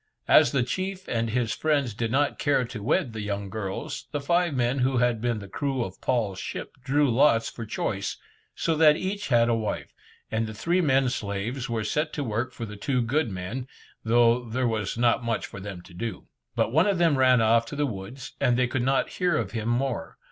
As the chief and his friends did not care to wed the young girls, the five men who had been the crew of Paul's ship drew lots for choice, so that each had a wife, and the three men slaves were set to work for the two good men, though there was not much for them to do. But one of them ran off to the woods, and they could not hear of him more.